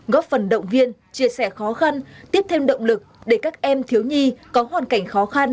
góp phần động viên chia sẻ khó khăn tiếp thêm động lực để các em thiếu nhi có hoàn cảnh khó khăn